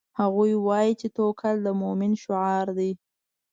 هغوی وایي چې توکل د مومن شعار ده